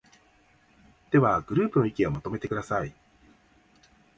では、グループの意見をまとめてください。